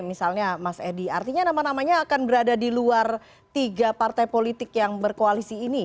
misalnya mas edi artinya nama namanya akan berada di luar tiga partai politik yang berkoalisi ini